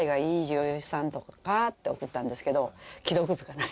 女優さんとか」って送ったんですけど